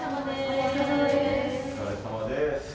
お疲れさまです。